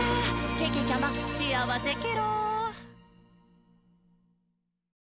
けけちゃま、しあわせケロ！」